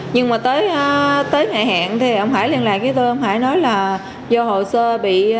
nhưng mà tới ngày hẹn thì ông hải liên lạc với tôi ông hải nói là do hồ sơ bị trục trặc gì đó